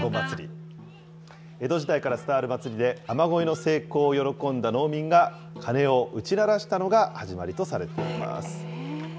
江戸時代から伝わる祭りで、雨ごいの成功を喜んだ農民が鐘を打ち鳴らしたのが始まりとされています。